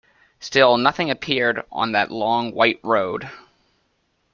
Still nothing appeared on that long white road.